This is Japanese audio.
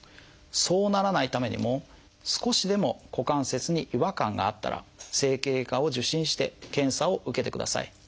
そうならないためにも少しでも股関節に違和感があったら整形外科を受診して検査を受けてください。